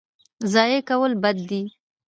ضایع کول بد دی.